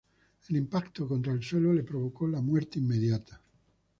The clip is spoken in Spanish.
El impacto contra el suelo le provocó la muerte inmediata.